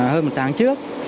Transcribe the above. hơn một tháng trước